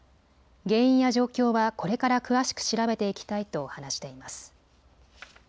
原因や状況はこれから詳しく調べていきたいと話しています。